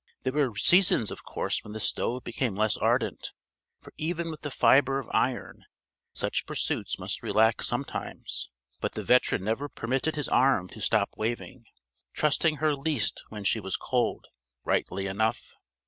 _ There were seasons of course when the stove became less ardent, for even with the fibre of iron such pursuits must relax sometimes; but the veteran never permitted his arm to stop waving, trusting her least when she was cold rightly enough!